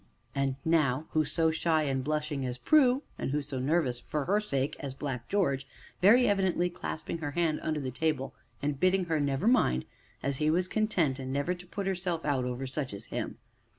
And now, who so shy and blushing as Prue, and who so nervous, for her sake, as Black George, very evidently clasping her hand under the table, and bidding her never to mind as he was content, and never to put herself out over such as him.